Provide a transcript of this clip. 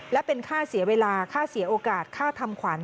และเป็นค่าเสียเวลาค่าเสียโอกาสค่าทำขวัญ